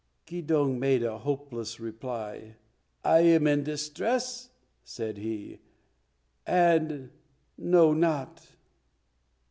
Keydong made a hopeless reply. "I am in distress," said he, "and know not."